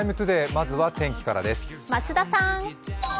まずは天気からです。